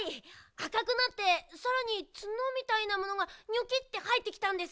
あかくなってさらにツノみたいなものがニョキッてはえてきたんです。